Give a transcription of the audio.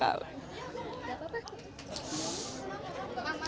pak makasih banyak